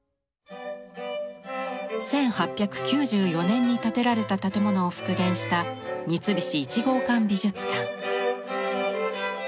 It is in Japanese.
１８９４年に建てられた建物を復元した三菱一号館美術館。